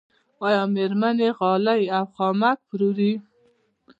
آیا میرمنې غالۍ او خامک پلوري؟